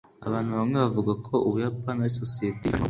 Abantu bamwe bavuga ko Ubuyapani ari societe yiganjemo abagabo.